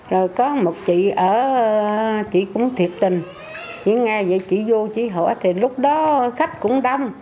rồi có một chị ở chị cũng thiệt tình chỉ nghe vậy chị vô chị hổ thì lúc đó khách cũng đông